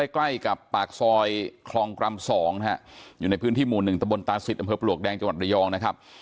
ใกล้กับปากซอยครองกรรม๒อยู่ในพื้นที่หมู่๑ตะบนตาสิทอเมืองผลวกแดงจวัดระยองนะครับ